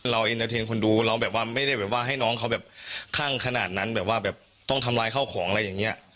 เอ็นเตอร์เทนคนดูเราแบบว่าไม่ได้แบบว่าให้น้องเขาแบบข้างขนาดนั้นแบบว่าแบบต้องทำร้ายข้าวของอะไรอย่างนี้